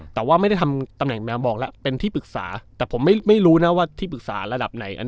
แต่ว่าไม่ได้ทำตำแหน่งแมวมองแล้วเป็นที่ปรึกษาแต่ผมไม่รู้นะว่าที่ปรึกษาระดับไหน